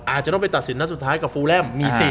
อาจจะต้องไปตัดสินนัดสุดท้ายกับฟูแลมมี๔